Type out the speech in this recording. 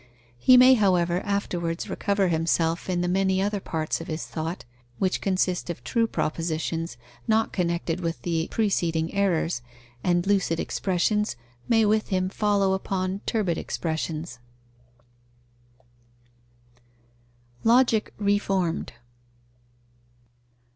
He may, however, afterwards recover himself in the many other parts of his thought, which consist of true propositions, not connected with the preceding errors, and lucid expressions may with him follow upon turbid expressions. _Logic reformed.